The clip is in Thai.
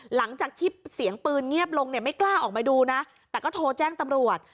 หลังจากที่เสียงปืนเงียบลงเนี่ยไม่กล้าออกมาดูนะแต่ก็โทรแจ้งตำรวจ